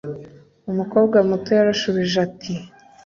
umukobwa muto yarashubije ati